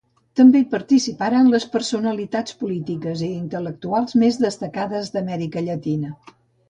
També hi participaren les personalitats polítiques i intel·lectuals més destacades d'Amèrica Llatina.